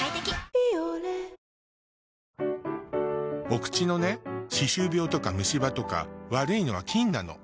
お口のね歯周病とか虫歯とか悪いのは菌なの。